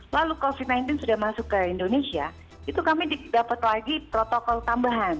lalu covid sembilan belas sudah masuk ke indonesia itu kami dapat lagi protokol tambahan